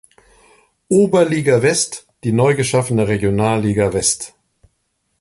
Oberliga West die neugeschaffene Regionalliga West.